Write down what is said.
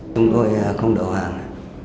chúng tôi không đầu hàng